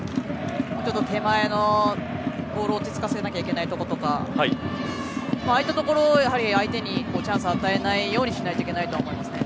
ちょっと手前のボールを落ち着かせなきゃいけないところとか相手のボールを相手にチャンスを与えないようにしないといけないと思いますね。